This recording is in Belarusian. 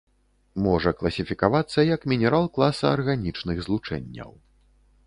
Можа класіфікавацца як мінерал класа арганічных злучэнняў.